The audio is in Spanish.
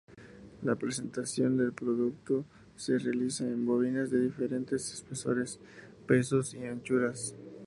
La presentación del producto se realiza en bobinas de diferentes espesores, pesos y anchuras.